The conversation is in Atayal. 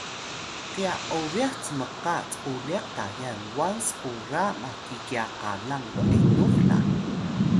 kya obeh cmka cquliq Tayal wan skura maki kya qalang be’nux la